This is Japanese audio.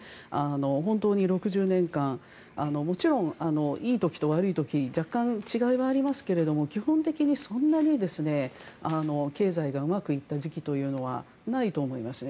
本当に６０年間もちろん、いい時と悪い時若干違いはありますけど基本的にそんなに経済がうまくいった時期というのはないと思いますね。